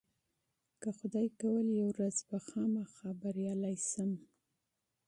انشاالله یوه ورځ به ضرور کامیاب شم